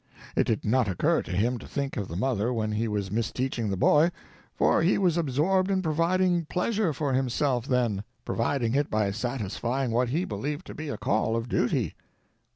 It did not occur to him to think of the mother when he was misteaching the boy, for he was absorbed in providing pleasure for himself, then. Providing it by satisfying what he believed to be a call of duty.